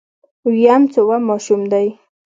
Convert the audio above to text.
ويم څووم ماشوم دی.